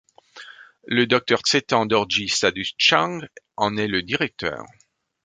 Le Docteur Tsetan Dorji Sadutshang en est le directeur.